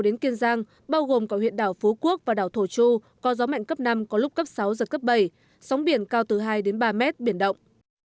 đến kiên giang bao gồm cả huyện đảo phú quốc và đảo thổ chu có gió mạnh cấp năm có lúc cấp sáu giật cấp bảy sóng biển cao từ hai đến ba mét biển động